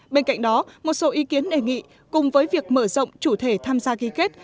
bên cạnh đó một số ý kiến đề nghị cùng với việc mở rộng chủ thể tham gia ký kết